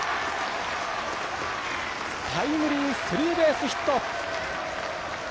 タイムリースリーベースヒット。